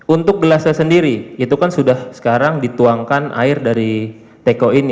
untuk gelasnya sendiri itu kan sudah sekarang dituangkan air dari teko ini